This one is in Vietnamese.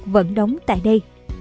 vẫn đóng tại đây